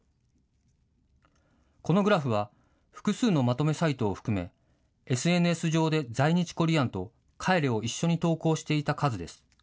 このグラフは複数のまとめサイトを含めＳＮＳ上で在日コリアンと帰れを一緒に投稿していた数です。